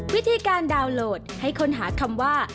วิธีการดาวน์โหลดให้ค้นหาคำว่า